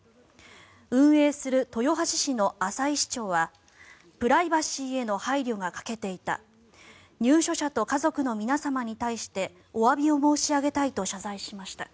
運営する豊橋市の浅井市長はプライバシーへの配慮が欠けていた入所者と家族の皆様に対しておわびを申し上げたいと謝罪しました。